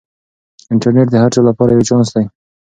انټرنیټ د هر چا لپاره یو چانس دی.